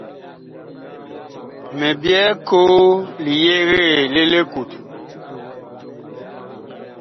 Mi byɛɛ koo li yegee li likut.